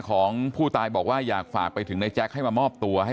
ของผู้ตายบอกว่าอยากฝากไปถึงในแจ๊คให้มามอบตัวให้